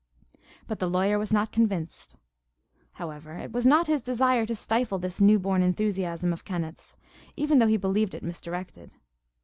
But the lawyer was not convinced. However, it was not his desire to stifle this new born enthusiasm of Kenneth's, even though he believed it misdirected.